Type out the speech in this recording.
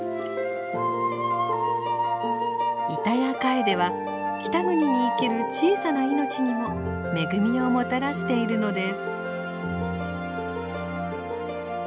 イタヤカエデは北国に生きる小さな命にも恵みをもたらしているのです。